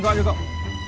có nặng không